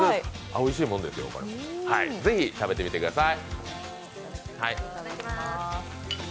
おいしいもんですよ、ぜひ食べてみてください。